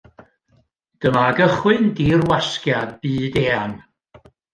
Dyma gychwyn dirwasgiad byd-eang.